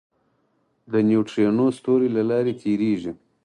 د نیوټرینو ستوري له لارې تېرېږي.